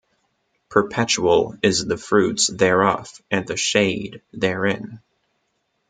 Perpetual is the fruits thereof and the shade therein.